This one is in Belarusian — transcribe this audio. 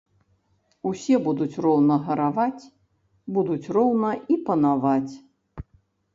Усе будуць роўна гараваць, будуць роўна і панаваць.